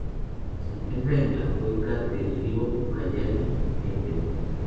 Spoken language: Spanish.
Se encuentran en la cuenca del río Ucayali, en Perú.